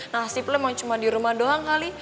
nasib lo emang cuma di rumah doang kali